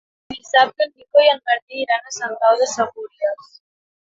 Dissabte en Nico i en Martí iran a Sant Pau de Segúries.